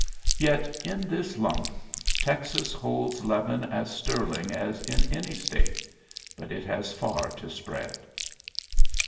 Yet in this lump Texas holds leaven as sterling as in any State; but it has far to spread.